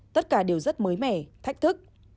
tất cả đều rất mới mẻ thách thức